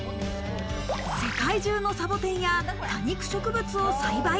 世界中のサボテンや多肉植物を栽培。